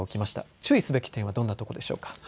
注意すべき点はどんなところでしょうか。